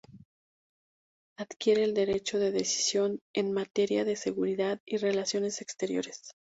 Adquiere el derecho de decisión en materia de seguridad y relaciones exteriores.